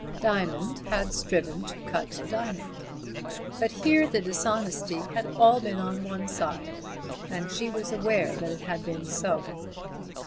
Diamond had striven to cut diamond. But here the dishonesty had all been on one side, and she was aware that it had been so.